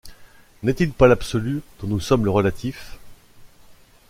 n’est-il pas l’absolu dont nous sommes le relatif